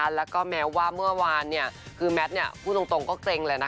เพราะว่าเมื่อวานเนี่ยคือแมทเนี่ยพูดตรงก็เกร็งแหละนะคะ